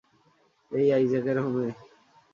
এই আইজ্যকের হোমে?